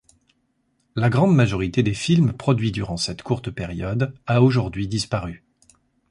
La grande majorité des films produits durant cette courte période a aujourd'hui disparu.